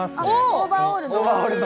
オーバーオール。